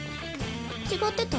違ってた？